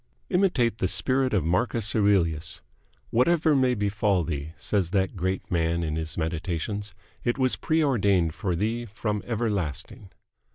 Imitate the spirit of Marcus Aurelius. "Whatever may befall thee," says that great man in his "Meditations", "it was preordained for thee from everlasting.